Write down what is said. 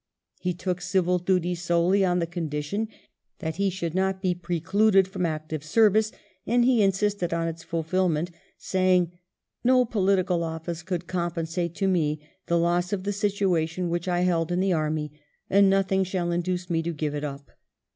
He took civil duty solely on the condition that he should not be precluded from active service, and he insisted on its fulfilment, sa3dng, '* No political office could compensate to me the loss of the situation which I held in the army, and nothing shall induce me to give it up."